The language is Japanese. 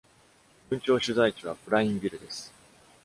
郡庁所在地はプラインビルです。